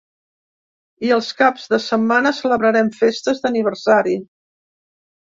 I els caps de setmana celebrarem festes d’aniversari.